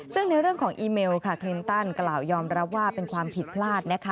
ซึ่งในเรื่องของอีเมลค่ะคลินตันกล่าวยอมรับว่าเป็นความผิดพลาดนะคะ